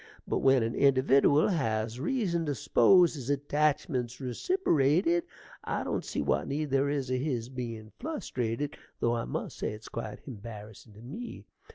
But when an individdiwal has reason to s'pose his attachment's reciperated, I don't see what need there is o' his bein' flustrated, though I must say it's quite embarrassin' to me.